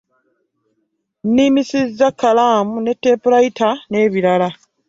Nnimisizza kkalaamu na tepulayita n'ebirala.